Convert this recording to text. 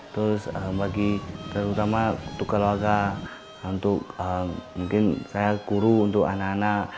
terus bagi terutama untuk keluarga untuk mungkin saya guru untuk anak anak